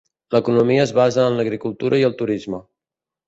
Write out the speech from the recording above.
L'economia es basa en l'agricultura i el turisme.